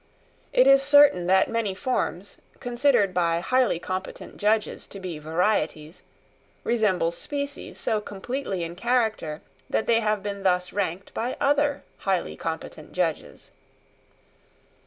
It is certain that many forms, considered by highly competent judges to be varieties, resemble species so completely in character that they have been thus ranked by other highly competent judges.